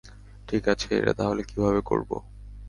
ঠিক আছে, এটা তাহলে কিভাবে করব?